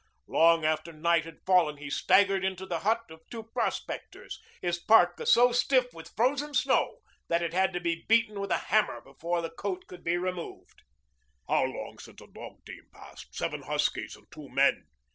Long after night had fallen he staggered into the hut of two prospectors, his parka so stiff with frozen snow that it had to be beaten with a hammer before the coat could be removed. "How long since a dog team passed seven huskies and two men?"